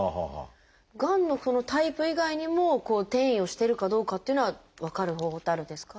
がんのタイプ以外にも転移をしてるかどうかっていうのは分かる方法ってあるんですか？